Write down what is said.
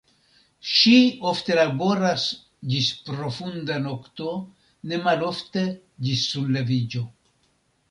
Ŝi ofte laboras ĝis profunda nokto, ne malofte ĝis sunleviĝo.